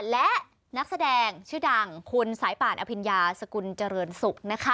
และนักแสดงชื่อดังคุณสายป่านอภิญญาสกุลเจริญศุกร์นะคะ